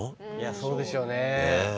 そうでしょうね。